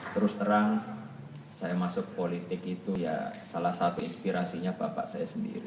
terus terang saya masuk politik itu ya salah satu inspirasinya bapak saya sendiri